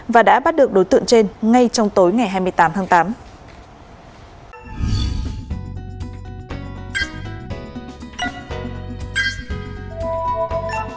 và đã bắt được đối tượng trên ngay trong tối ngày hai mươi tám tháng tám